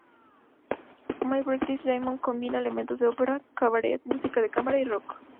My Brightest Diamond combina elementos de ópera, cabaret, música de cámara y rock.